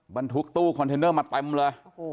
บรรทุกตู้คอนเทนเนอร์มาเต็มเลย